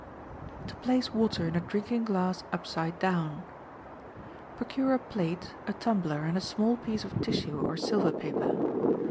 To Place Water in a Drinking Glass Upside Down.—Procure a plate, a tumbler, and a small piece of tissue or silver paper.